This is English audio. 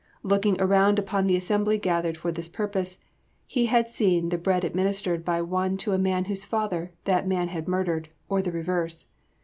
Looking around upon the assembly gathered for this purpose he had seen the bread administered by one to a man whose father that man had murdered, or the reverse.